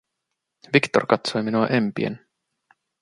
Victor katsoi minua empien.